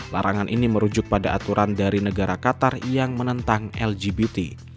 larangan ini merujuk pada aturan dari negara qatar yang menentang lgbt